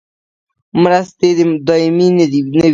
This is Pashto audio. مرستې دایمي نه وي